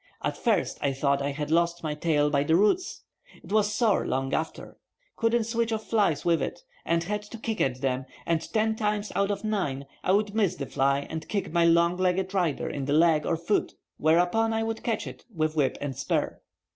At first I thought I had lost my tail by the roots. It was sore long after. Couldn't switch off flies with it, and had to kick at them, and ten times out of nine I'd miss the fly and kick my long legged rider in the leg or foot, whereupon I would catch it with whip and spur.